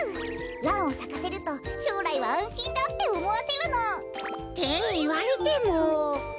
ランをさかせるとしょうらいはあんしんだっておもわせるの。っていわれても。